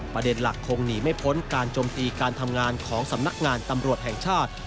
ประเด็นหลักคงหนีไม่พ้นการจมตีการทำงานของสำนักงานตำรวจแห่งชาติ